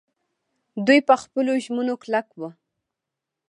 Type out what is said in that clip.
دوی په خپلو ژمنو کلک وو.